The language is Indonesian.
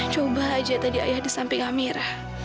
coba aja tadi ayah di samping amirah